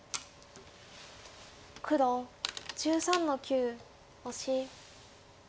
黒１３の九オシ。